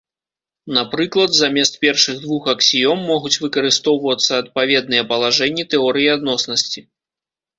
Напрыклад, замест першых двух аксіём могуць выкарыстоўвацца адпаведныя палажэнні тэорыі адноснасці.